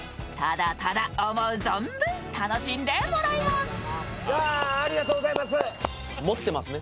ただただ思う存分、楽しんでもらいます。